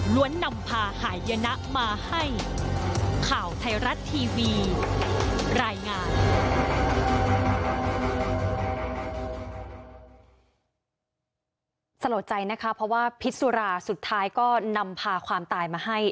โหลดใจนะคะเพราะว่าพิษสุราสุดท้ายก็นำพาความตายมาให้